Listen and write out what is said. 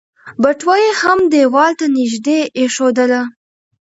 بټوه يې هم ديوال ته نږدې ايښودله.